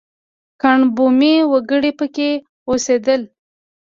ګڼ بومي وګړي په کې اوسېدل.